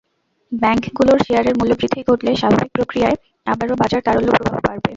ব্যাংকগুলোর শেয়ারের মূল্যবৃদ্ধি ঘটলে স্বাভাবিক প্রক্রিয়ায় আবারও বাজার তারল্য প্রবাহ বাড়বে।